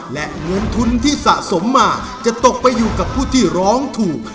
และเงินทุนที่สะสมมาจะตกไปอยู่กับผู้ที่ร้องถูก